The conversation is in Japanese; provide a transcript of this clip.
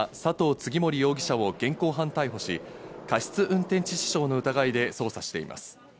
次守容疑者を現行犯逮捕し、過失運転致死傷の疑いで捜査しています。